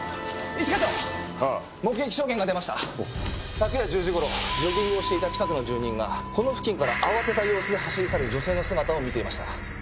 昨夜１０時頃ジョギングをしていた近くの住人がこの付近から慌てた様子で走り去る女性の姿を見ていました。